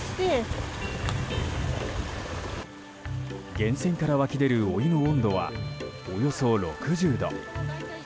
源泉から湧き出るお湯の温度はおよそ６０度。